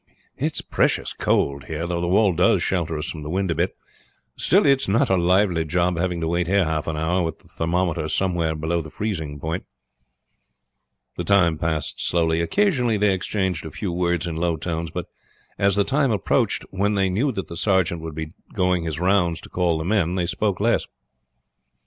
It's precious cold here, though the wall does shelter us from the wind a bit; still it's not a lively job having to wait here half an hour, with the thermometer somewhere below freezing point." The time passed slowly. Occasionally they exchanged a few words in low tones, but as the time approached when they knew that the sergeant would be going his rounds to call the men they spoke less.